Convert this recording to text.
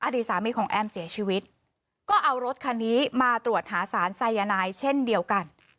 อดีตสามีของแอมเสียชีวิตก็เอารถคันนี้มาตรวจหาสารไซยานายเช่นเดียวกัน